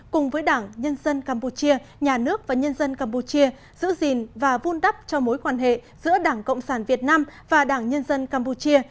cùng với đảng nhân dân campuchia nhà nước và nhân dân campuchia giữ gìn và vun đắp cho mối quan hệ giữa đảng cộng sản việt nam và đảng nhân dân campuchia